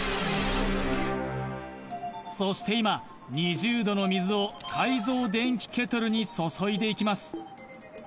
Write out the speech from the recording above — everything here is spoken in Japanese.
そして今２０℃の水を改造電気ケトルに注いでいきます